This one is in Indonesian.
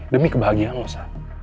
demi kebahagiaan lo sa